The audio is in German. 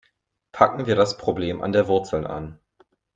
Packen wir das Problem an der Wurzel an.